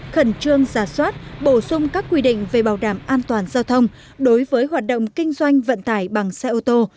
khẩn trương giả soát bổ sung các quy định về bảo đảm an toàn giao thông đối với hoạt động kinh doanh vận tải bằng xe ô tô